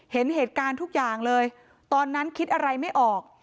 เห็นเหตุการณ์ทุกอย่างเลยตอนนั้นคิดอะไรไม่ออก